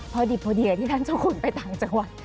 พอดิบพอดีกับที่ท่านเจ้าคุณไปต่างจังหวัด